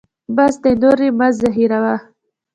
بس دی نور یې مه زهیروه.